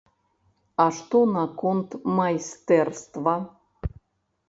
А што наконт майстэрства.